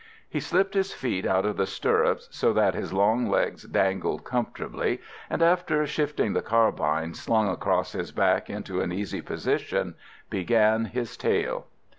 He slipped his feet out of the stirrups, so that his long legs dangled comfortably, and, after shifting the carbine slung across his back into an easy position, began his tale.